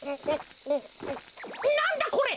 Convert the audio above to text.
なんだこれ。